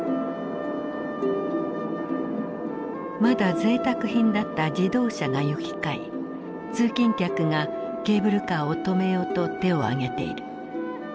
まだぜいたく品だった自動車が行き交い通勤客がケーブルカーを止めようと手を挙げている。